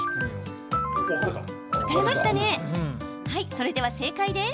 それでは正解です。